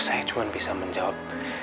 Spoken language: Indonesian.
saya cuma bisa menjawab